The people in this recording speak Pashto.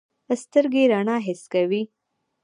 سترګې رڼا حس کوي.